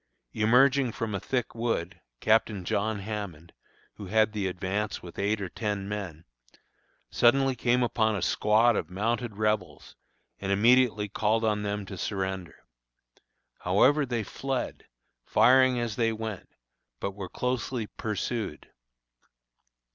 Emerging from a thick wood, Captain John Hammond, who had the advance with eight or ten men, suddenly came upon a squad of mounted Rebels, and immediately called on them to surrender. However, they fled, firing as they went, but were closely pursued.